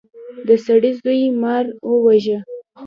د سړي زوی مار وواژه.